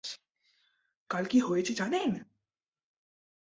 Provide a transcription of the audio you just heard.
কাল কি হয়েছে জানেন?